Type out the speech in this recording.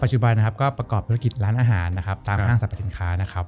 จุบันนะครับก็ประกอบธุรกิจร้านอาหารนะครับตามห้างสรรพสินค้านะครับ